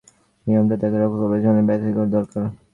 নিয়মটাকে রক্ষা করবার জন্যেই ব্যতিক্রমের দরকার।